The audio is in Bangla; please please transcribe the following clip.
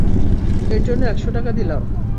এর জন্য একশ টাকা দিলাম!